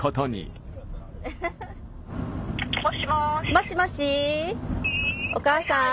もしもしお母さん。